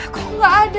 kok gak ada